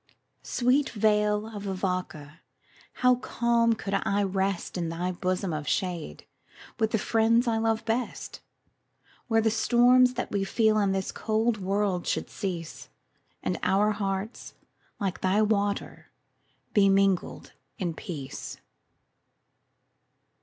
Sweet vale of Avoca! how calm could I rest In thy bosom of shade, with the friends I love best, Where the storms that we feel in this cold world should cease, And our hearts, like thy waters, be mingled in peace.